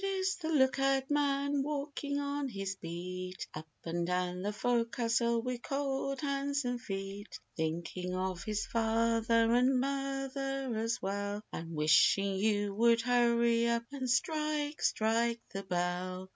Forward is the lookout man walking on his beat Up and down the fo'castle with cold hands and feet. Thinking of his father, and mother as well, And wishing you would hurry up, and strike, strike the bell!